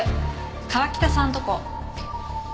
川喜多さんとこ。